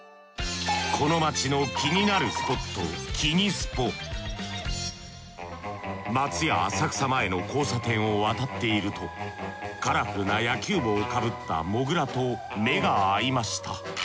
そこで松屋浅草前の交差点を渡っているとカラフルな野球帽をかぶったモグラと目が合いました。